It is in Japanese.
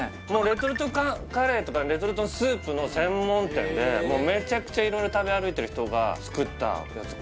レトルトカレーとかレトルトスープの専門店でめちゃくちゃ色々食べ歩いてる人が作ったやつ